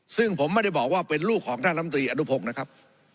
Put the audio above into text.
ซึ่งผมไม่ได้บอกว่าเป็นลูกของท่านลำตรีอนุพงศ์นะครับ